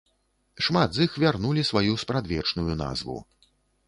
Шмат з іх вярнулі сваю спрадвечную назву.